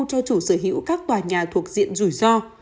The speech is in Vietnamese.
cho chủ sở hữu các tòa nhà thuộc diện rủi ro